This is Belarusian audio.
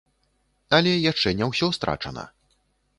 Але яшчэ не ўсё страчана.